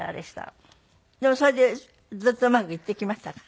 でもそれでずっとうまくいってきましたか？